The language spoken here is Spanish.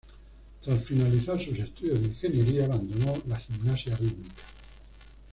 Tras finalizar sus estudios de Ingeniería, abandonó la gimnasia rítmica.